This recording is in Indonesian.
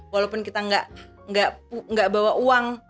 walaupun kita nggak bawa uang